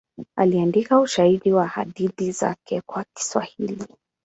Aliandika ushairi na hadithi zake kwa Kiswahili.